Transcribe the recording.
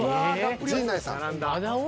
陣内さん。